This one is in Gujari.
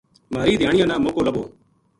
مھاری دھیانیاں نا موقعو لبھو